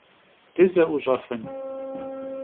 Dıze'uş'efın?